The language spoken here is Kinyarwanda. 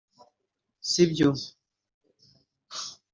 Sibyo